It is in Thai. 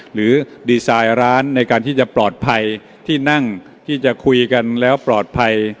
หรือดีไซน์ร้านในการที่จะปลอดภัยที่นั่งที่จะคุยกันแล้วปลอดภัย